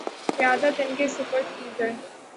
قیادت ان کے سپرد کی جائے